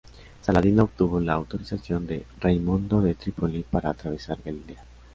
Saladino obtuvo la autorización de Raimundo de Trípoli para atravesar Galilea.